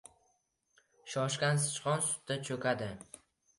• Shoshgan sichqon sutda cho‘kadi.